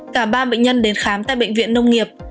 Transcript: cả ba bệnh nhân đến khám tại bệnh viện nông nghiệp